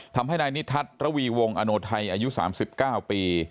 ทำให้นายนิทัศน์ระวีวงอโนไทยอายุ๓๙ปี